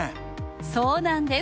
そうなんです。